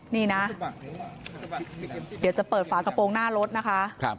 นี่นะเดี๋ยวจะเปิดฝากระโปรงหน้ารถนะคะ